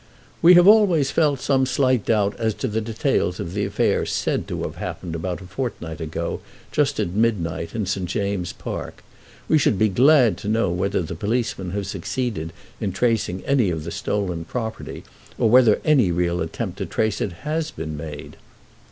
"We have always felt some slight doubts as to the details of the affair said to have happened about a fortnight ago, just at midnight, in St. James's Park. We should be glad to know whether the policemen have succeeded in tracing any of the stolen property, or whether any real attempt to trace it has been made."